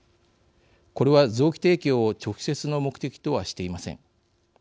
これは臓器提供を直接の目的とはしていません。